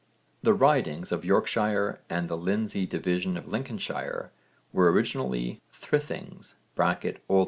The 'ridings' of Yorkshire and the Lindsey division of Lincolnshire were originally 'thrithings' (O.N.